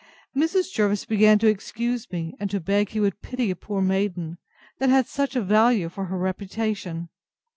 Mrs. Jervis began to excuse me, and to beg he would pity a poor maiden, that had such a value for her reputation.